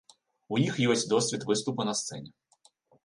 У іх ёсць досвед выступу на сцэне.